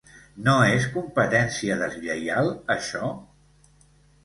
No és competència deslleial, això?